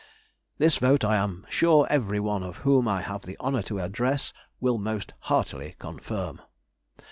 This vote I am sure every one whom I have the honour to address will most heartily confirm.